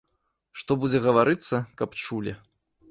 Што будзе гаварыцца, каб чулі.